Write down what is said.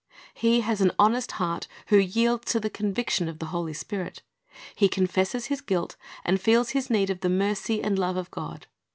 "^ He has an honest heart who yields to the conviction of the Holy Spirit. He confesses his guilt, and feels his need of the mercy and love of God.